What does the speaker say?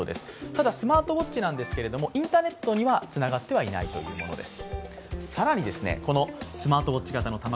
ただスマートウォッチなんですけどインターネットにはつながっていないというものです。